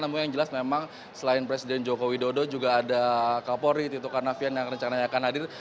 namun yang jelas memang selain presiden joko widodo juga ada kapolri tito karnavian yang rencananya akan hadir